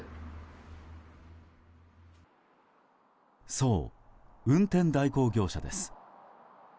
そう、運転代行業者です。